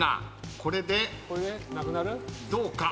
これでどうか？